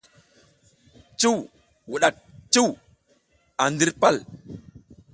Cuw wuɗak cuw a ndir pal.